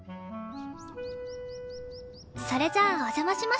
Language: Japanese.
それじゃあお邪魔しました。